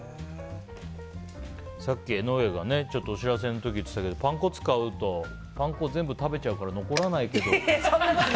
さっき江上がお知らせの時言ってたけどパン粉使うとパン粉全部食べちゃうからそんなことは。